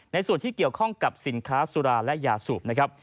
ส่วนที่เกี่ยวข้องกับสินค้าสุราและยาสูบนะครับ